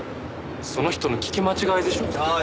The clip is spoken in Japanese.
その人の聞き間違いでしょ？